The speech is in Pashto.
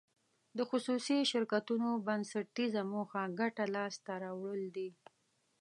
د خصوصي شرکتونو بنسټیزه موخه ګټه لاس ته راوړل دي.